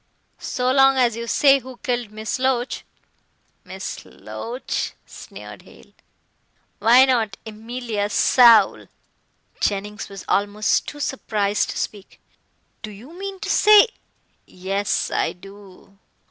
"So long as you say who killed Miss Loach " "Miss Loach," sneered Hale, "why not Emilia Saul?" Jennings was almost too surprised to speak. "Do you mean to say " "Yes, I do.